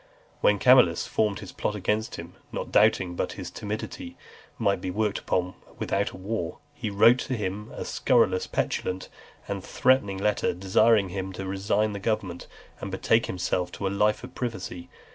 When Camillus formed his plot against him, not doubting but his timidity might be worked upon without a war, he wrote to him a scurrilous, petulant, and threatening letter, desiring him to resign the government, and betake himself to a life of privacy.